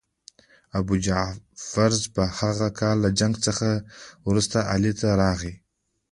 ابوجعفر په هغه کال له جنګ څخه وروسته علي ته راغی.